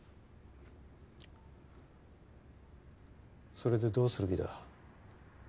それでどうする気だ？